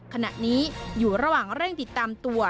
ขณะนี้อยู่ระหว่างเร่งติดตามตัว